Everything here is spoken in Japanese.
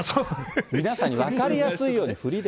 皆さんに分かりやすいように振りで。